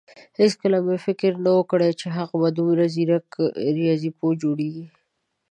هيڅکله مې فکر نه وو کړی چې هغه به دومره ځيرک رياضيپوه جوړېږي.